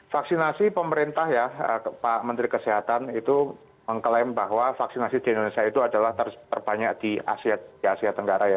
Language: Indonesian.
vaksinasi pemerintah ya pak menteri kesehatan itu mengklaim bahwa vaksinasi di indonesia itu adalah terbanyak di asia tenggara ya